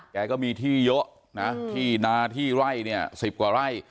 แกก็มีที่เยอะนะที่นาที่ไร่เนี่ย๑๐กว่าไร่